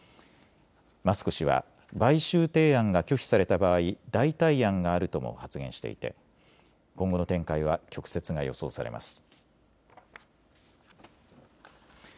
マスク氏は買収提案が拒否された場合、代替案があるとも発言していて今後の展開は曲折が予想されます。